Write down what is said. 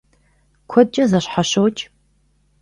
Куэдкӏэ зэщхьэщокӏ.